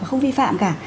không vi phạm cả